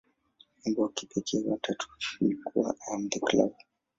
Wimbo wa kipekee wa tatu ulikuwa "I Am The Club".